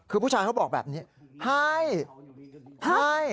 คือผู้ชายเขาบอกแบบนี้ให้ให้